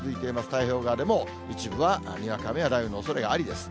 太平洋側でも一部はにわか雨や雷雨のおそれがありです。